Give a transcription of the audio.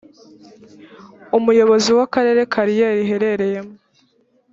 umuyobozi w akarere kariyeri iherereyemo